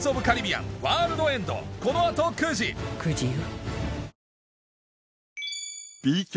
９時よ